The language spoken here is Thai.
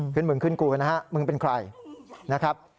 ขึ้นมึงขึ้นกูกันนะฮะมึงเป็นใครนะครับ